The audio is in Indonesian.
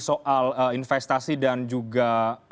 soal investasi dan juga